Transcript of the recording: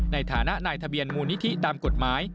ในฐานะนายทะเบียนมูลนิธิตามกฎหมาย